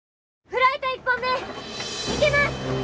フライト１本目いきます！